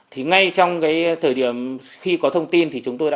thì ngay trong cái thời điểm khi có thông tin thì chúng tôi đã